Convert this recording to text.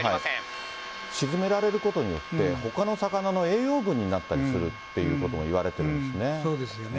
沈められることによって、ほかの魚の栄養分になったりするということもいわれているんですそうですよね。